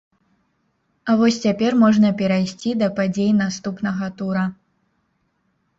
А вось цяпер можна перайсці да падзей наступнага тура!